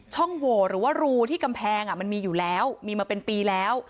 ช่องหัวหรือว่ารูที่กำแพงมีมาเป็นปีแล้ว